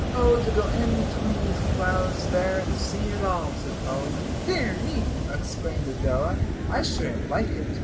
"Oh, to go in between those clouds there and see it all," said Polly. "Dear me!" exclaimed Adela, "I shouldn't like it.